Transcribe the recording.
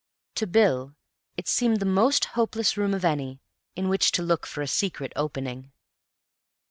To Bill it seemed the most hopeless room of any in which to look for a secret opening.